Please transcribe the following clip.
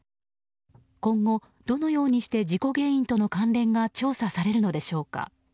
今後、どのようにして事故原因との関連が調査されるのでしょうか。